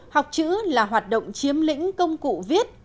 học chữ là hoạt động chiếm lĩnh công cụ viết